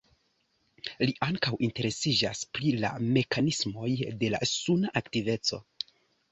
Li ankaŭ interesiĝas pri la mekanismoj de la suna aktiveco.